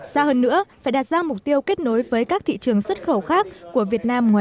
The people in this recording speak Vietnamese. xa hơn nữa phải đạt ra mục tiêu kết nối với các thị trường xuất khẩu khác của việt nam